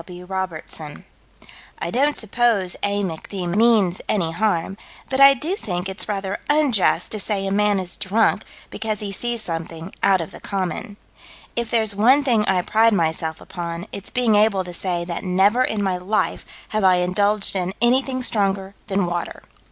W. Robertson": "I don't suppose A. Mc. D. means any harm, but I do think it's rather unjust to say a man is drunk because he sees something out of the common. If there's one thing I pride myself upon, it's being able to say that never in my life have I indulged in anything stronger than water."